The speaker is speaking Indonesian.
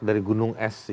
dari gunung es